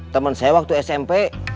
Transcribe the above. temen saya waktu smp